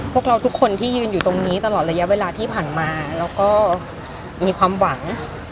พวกเราทุกคนที่ยืนอยู่ตรงนี้ตลอดระยะเวลาที่ผ่านมาแล้วก็มีความหวัง